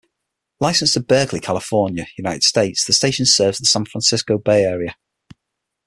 Licensed to Berkeley, California, United States, the station serves the San Francisco Bay Area.